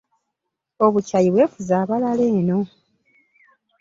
Obukyayi bwefuze abalala eno.